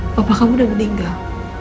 bapak kamu udah meninggal